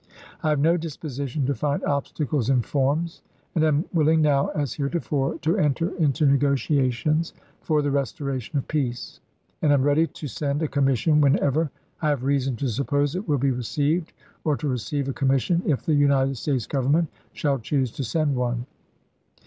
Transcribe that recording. I have no disposition to find obstacles in forms, and am willing now, as heretofore, to enter into negotia tions for the restoration of peace ; and am ready to send a commission whenever I have reason to suppose it will be received, or to receive a commission, if the United States Government shall choose to send one.